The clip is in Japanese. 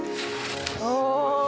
お！